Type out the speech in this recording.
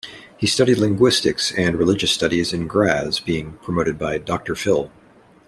He studied linguistics and religious studies in Graz, being promoted Doctor phil.